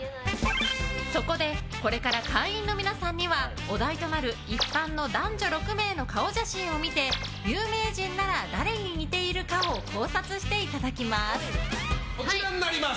そこで、これから会員の皆さんにはお題となる一般の男女６名の顔写真を見て有名人なら誰に似ているかを考察していただきます。